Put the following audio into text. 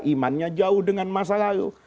imannya jauh dengan masa lalu